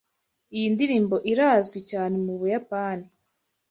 Iyi ndirimbo irazwi cyane mu Buyapani.